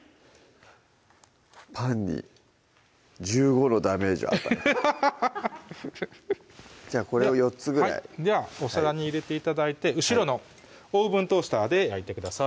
パンに１５のダメージを与えたじゃあこれを４つぐらいではお皿に入れて頂いて後ろのオーブントースターで焼いてください